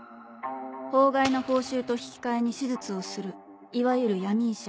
法外な報酬と引き換えに手術をするいわゆる闇医者